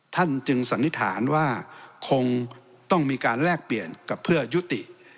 ท่านจึงสันนิษฐานว่าคงต้องมีการแลกเปลี่ยนกับเพื่อยุติ